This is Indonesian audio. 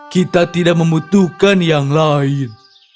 kita tidak membutuhkan yang lain